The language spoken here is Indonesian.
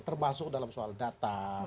termasuk dalam soal data